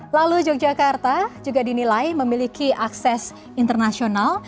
lalu yogyakarta juga dinilai memiliki akses internasional